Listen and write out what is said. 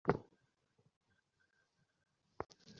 কারণ ধ্বংসের অর্থ হইল কারণে প্রত্যাবর্তন।